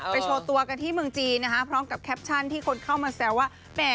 โชว์ตัวกันที่เมืองจีนนะคะพร้อมกับแคปชั่นที่คนเข้ามาแซวว่าแหม